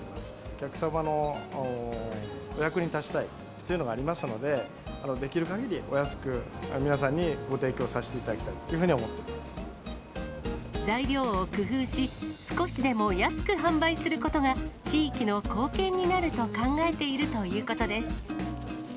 お客様のお役に立ちたいというのがありますので、できるかぎりお安く、皆さんにご提供させていただきたいというふうに思っており材料を工夫し、少しでも安く販売することが、地域の貢献になると考えているということです。